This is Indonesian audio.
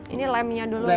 ini lemnya dulu ya